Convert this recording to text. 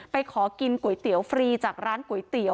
ขอกินก๋วยเตี๋ยวฟรีจากร้านก๋วยเตี๋ย